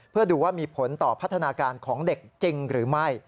เพื่อดูว่ามีผลต่อพัฒนาการของเด็กจริงหรือไม่